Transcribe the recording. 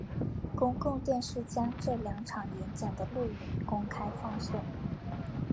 公共电视将这两场演讲的录影公开放送。